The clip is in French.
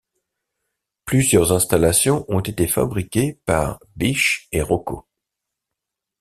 Plusieurs installations ont été fabriquées par Bisch et Rocco.